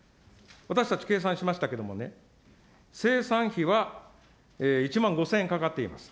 私たち計算しましたけれどもね、生産費は１万５０００円かかっています。